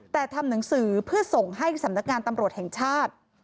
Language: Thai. แต่ทำหนังสือเพื่อส่งให้สำนักงานตำรวจแห่งชาติ